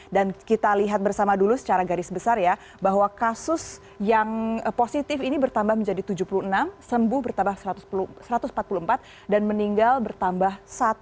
dan kita lihat bersama dulu secara garis besar ya bahwa kasus yang positif ini bertambah menjadi tujuh puluh enam sembuh bertambah satu ratus empat puluh empat dan meninggal bertambah satu